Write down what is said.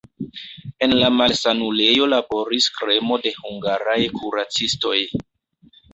En la malsanulejo laboris kremo de hungaraj kuracistoj.